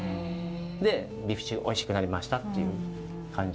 でビーフシチューおいしくなりましたっていう感じなんですね。